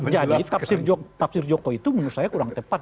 jadi tafsir joko itu menurut saya kurang tepat